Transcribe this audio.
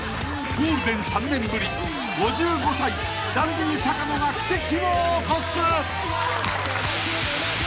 ［ゴールデン３年ぶり５５歳ダンディ坂野が奇跡を起こす］